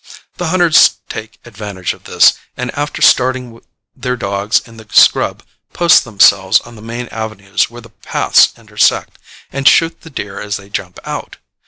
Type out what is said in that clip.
The hunters take advantage of this, and after starting their dogs in the scrub post themselves on the main avenues where the paths intersect, and shoot the deer as they jump out.